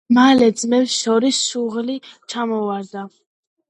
მალე ძმებს შორის შუღლი ჩამოვარდა.